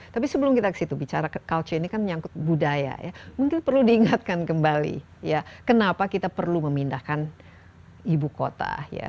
tapi sebelum kita ke situ bicara culture ini kan menyangkut budaya ya mungkin perlu diingatkan kembali ya kenapa kita perlu memindahkan ibu kota ya